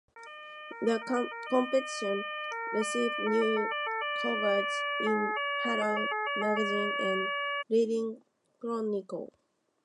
The competition received news coverage in "Hello Magazine" and "Reading Chronicle".